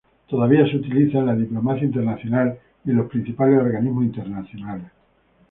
Todavía se utiliza en la diplomacia internacional y en los principales organismos internacionales.